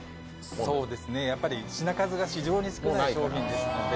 そうですね、やはり品数が非常に少ない商品ですので。